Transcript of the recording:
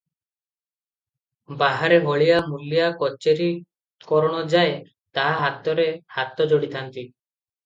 ବାହାରେ ହଳିଆ, ମୂଲିଆ, କଚେରୀ କରଣଯାଏ ତାହା ଠାରେ ହାତ ଯୋଡ଼ିଥାନ୍ତି ।